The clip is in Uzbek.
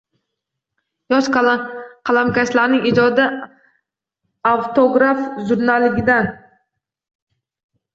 Yosh qalamkashlarning ijodi “Avtograf” jurnalidang